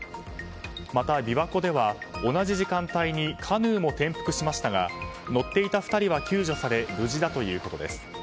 また、琵琶湖では同じ時間帯にカヌーも転覆しましたが乗っていた２人は救助され無事だということです。